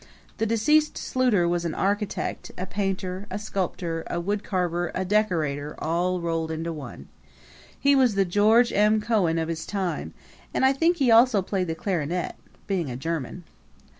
The deceased Schluter was an architect, a painter, a sculptor, a woodcarver, a decorator, all rolled into one. He was the George M. Cohan of his time; and I think he also played the clarinet, being a German.